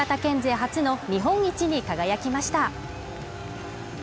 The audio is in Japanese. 初の日本一に輝きました。